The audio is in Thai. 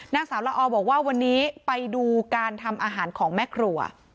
นางสาวละออบอกว่าวันนี้ไปดูการทำอาหารของแม่ครัว